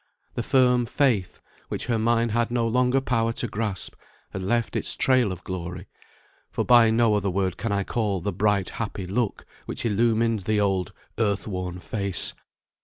The firm faith which her mind had no longer power to grasp, had left its trail of glory; for by no other word can I call the bright happy look which illumined the old earth worn face.